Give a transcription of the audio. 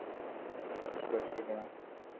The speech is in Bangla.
মনের ভাব বিশেষ উপকার বোধ না হইলে প্রকাশ করিবে না।